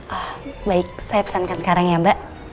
ah baik saya pesankan sekarang ya mbak